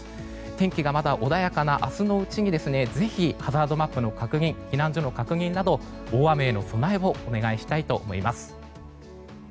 天気がまだ穏やかな明日のうちにぜひ、ハザードマップや避難所の確認など大雨への備えをお願いしたいと思います。